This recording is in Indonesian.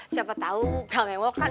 siapa tahu gak nge wokan